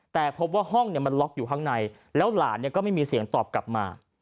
แต่พบว่าห้องมันล็อกอยู่ข้างในแล้วหลานก็ไม่มีเสียงตอบกลับมา